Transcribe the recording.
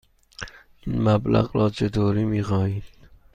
این مبلغ را چطوری می خواهید؟